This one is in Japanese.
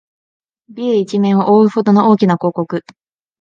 ビル一面をおおうほどの大きな広告